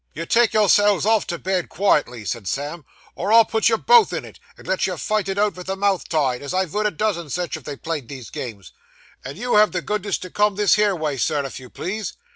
'You take yourselves off to bed quietly,' said Sam, 'or I'll put you both in it, and let you fight it out vith the mouth tied, as I vould a dozen sich, if they played these games. And you have the goodness to come this here way, sir, if you please.